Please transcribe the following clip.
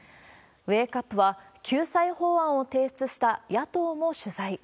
ウェークアップは、救済法案を提出した野党も取材。